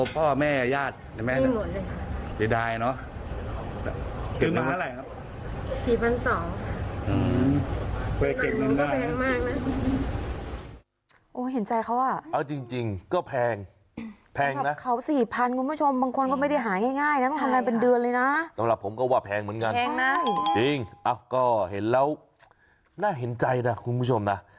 เพราะว่าแพงเหมือนกันแพงนะจริงอ้าวก็เห็นแล้วน่าเห็นใจนะคุณผู้ชมนะ